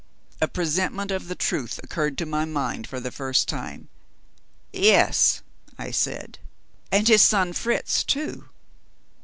A presentiment of the truth occurred to my mind for the first time. "Yes," I said; "and his son Fritz too."